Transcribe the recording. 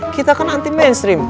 kita kan anti mainstream